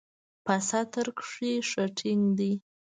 په ستر کښې ښه ټينګ دي.